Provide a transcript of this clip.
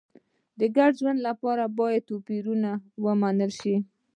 د ګډ ژوند لپاره باید توپیرونه ومنل شي.